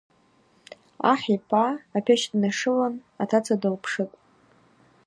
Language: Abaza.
Ахӏ йпа апещ днашылын атаца дылпшытӏ.